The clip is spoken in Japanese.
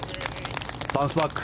バウンスバック。